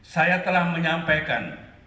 saya telah menyampaikan